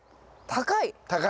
高い。